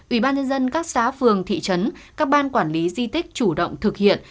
ủy ban nhân dân các xã phường thị trấn các ban quản lý di tích chủ động thực hiện